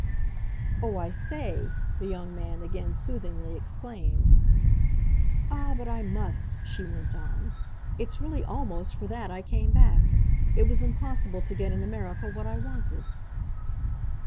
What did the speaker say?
"Oh, I say!" the young man again soothingly exclaimed. "Ah, but I MUST," she went on. "It's really almost for that I came back. It was impossible to get in America what I wanted."